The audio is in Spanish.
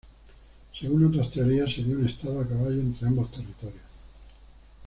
Según otras teorías, sería un estado a caballo entre ambos territorios.